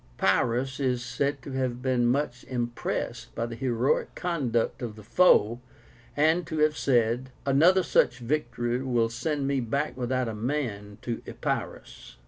Pyrrhus is said to have been much impressed by the heroic conduct of the foe, and to have said, "Another such victory will send me back without a man to Epirus."